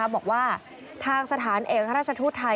บอกว่าทางสถานเอกราชทูตไทย